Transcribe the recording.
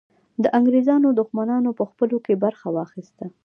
د انګریزانو دښمنانو په ځپلو کې برخه واخیسته.